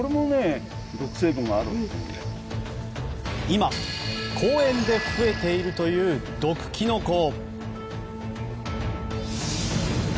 今、公園で増えているという毒キノコ。